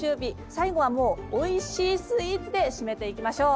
最後はもうおいしいスイーツで締めていきましょう。